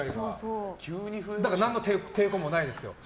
何の抵抗もないですよ。